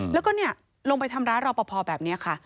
แล้วก็ลงไปทำร้ายรอปภแบบนี้ค่ะ